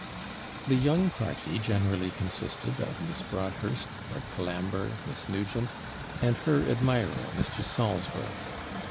The young party generally consisted of Miss Broadhurst, Lord Colambre, Miss Nugent, and her admirer, Mr. Salisbury.